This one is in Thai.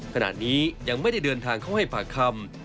ขณะนี้ยังไม่ได้เดินทางเข้าให้ปากคำ